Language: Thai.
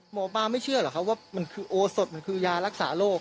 หมอปลาไม่เชื่อหรอกครับว่ามันคือโอสดมันคือยารักษาโรค